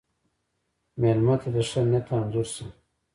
مېلمه ته د ښه نیت انځور شه.